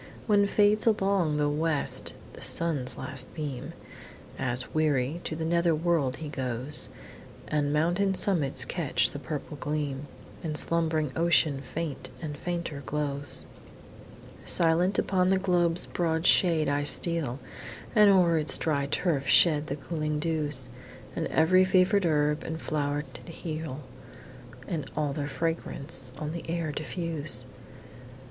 When fades along the West the Sun's last beam, As, weary, to the nether world he goes, And mountain summits catch the purple gleam, And slumbering ocean faint and fainter glows, Silent upon the globe's broad shade I steal, And o'er its dry turf shed the cooling dews, And ev'ry fever'd herb and flow'ret heal, And all their fragrance on the air diffuse.